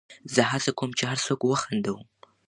زه هڅه کوم، چي هر څوک وخندوم.